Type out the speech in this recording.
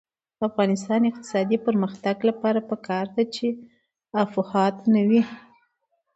د افغانستان د اقتصادي پرمختګ لپاره پکار ده چې افواهات نه وي.